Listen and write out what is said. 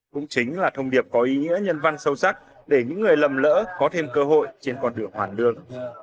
cũng chính là thông điệp có ý nghĩa nhân văn sâu sắc để những người lầm lỡ có thêm cơ hội trên con đường hoàn lương